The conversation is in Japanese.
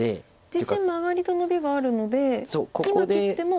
実戦マガリとノビがあるので今切っても。